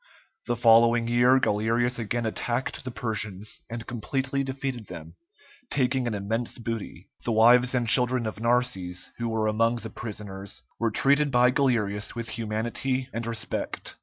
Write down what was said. The following year Galerius again attacked the Persians, and completely defeated them, taking an immense booty. The wives and children of Narses, who were among the prisoners, were treated by Galerius with humanity and respect.